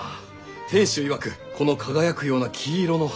店主いわくこの輝くような黄色の花